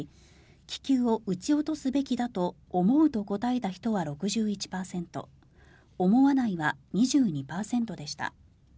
気球を打ち落とすべきだと思うと答えた人は６１％思わないは２２％でした。